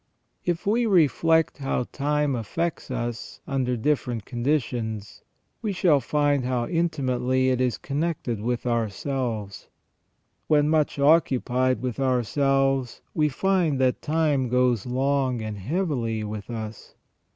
If we reflect how time affects us under different conditions, we shall find how intimately it is connected with ourselves. When much occupied with ourselves, we find that time goes long and heavily with us.